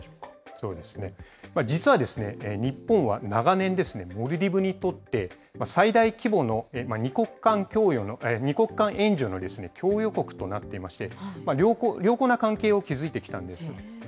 そうですね、実はですね、日本は長年、モルディブにとって、最大規模の２国間援助の供与国となっていまして、良好な関係を築いてきたんです。